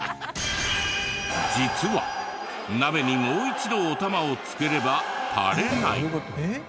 実は鍋にもう一度お玉をつければ垂れない。